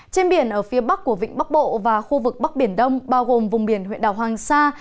trên biển ở phía bắc của vịnh bắc bộ và khu vực bắc biển đông bao gồm vùng biển huyện đảo hoàng sa